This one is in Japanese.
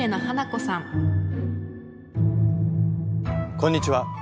こんにちは。